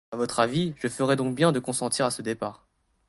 A votre avis, je ferais donc bien de consentir à ce départ.